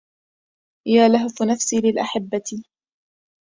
يا لهف نفسي للأحبه